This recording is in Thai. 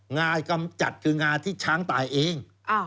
งากำจัดคืองาที่ช้างตายเอง